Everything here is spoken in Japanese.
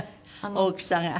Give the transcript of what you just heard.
大きさが。